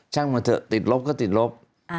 ช่างมันเถอะติดลบก็ติดลบ